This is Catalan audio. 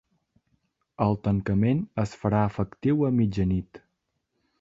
El tancament es farà efectiu a mitjanit.